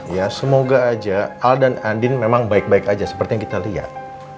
ya semoga aja al dan andin memang baik baik aja seperti yang kita lihat